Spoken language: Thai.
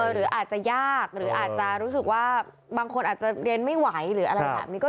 หรืออาจจะยากหรืออาจจะรู้สึกว่าบางคนอาจจะเรียนไม่ไหว